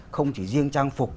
không chỉ riêng trang phục